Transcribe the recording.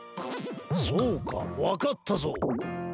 そうかわかったぞ。